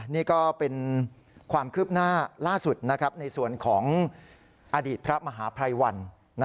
นี่ก็เป็นความคืบหน้าล่าสุดนะครับในส่วนของอดีตพระมหาพรายวรรณ